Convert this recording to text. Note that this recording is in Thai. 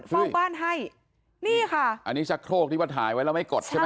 เฝ้าบ้านให้นี่ค่ะอันนี้ชักโครกที่ว่าถ่ายไว้แล้วไม่กดใช่ไหม